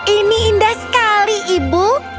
ini indah sekali ibu